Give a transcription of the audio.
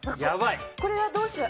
これは、どうしよう？